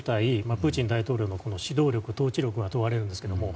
プーチン大統領の指導力、統治力が問われるんですけども。